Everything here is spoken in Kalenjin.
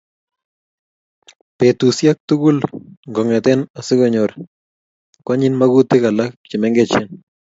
Betusiek tugul ngotet asikonyor konyi magutik alak chemengech